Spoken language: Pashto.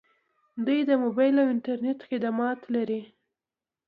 دوی د موبایل او انټرنیټ خدمات لري.